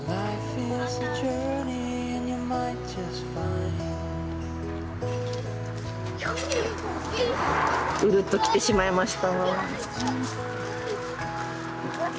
いやうるっときてしまいました。